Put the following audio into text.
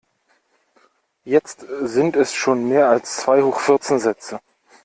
Jetzt sind es schon mehr als zwei hoch vierzehn Sätze.